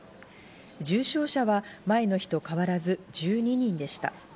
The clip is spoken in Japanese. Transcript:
重症者は前の日と変わらず１２人でした。